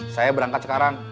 saya berangkat sekarang